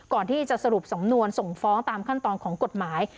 ก่อนที่จะสรุปสำนวนส่งฟ้องตามขั้นตอนของกฎหมาย